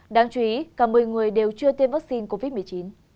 đáng chú ý cả một mươi người đều chưa tiêm vaccine covid một mươi chín